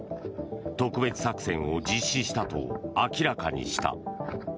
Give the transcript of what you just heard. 特別作戦を実施したと明らかにした。